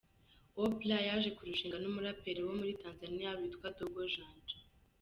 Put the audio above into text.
Oprah yaje kurushinga n’umuraperi wo muri Tanzaniya witwa Dogo Janja.